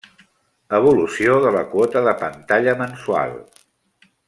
Evolució de la quota de pantalla mensual.